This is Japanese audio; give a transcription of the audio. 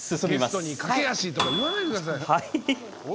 ゲストに駆け足とかいわないでください！